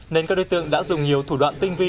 nên các đối tượng đã dùng nhiều thủ đoạn tinh vi